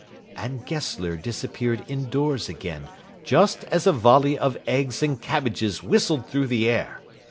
And Gessler disappeared indoors again, just as a volley of eggs and cabbages whistled through the air.